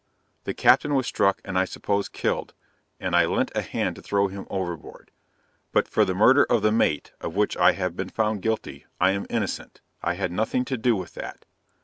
The captain was struck and I suppose killed, and I lent a hand to throw him overboard. But for the murder of the mate, of which I have been found guilty, I am innocent I had nothing to do with that.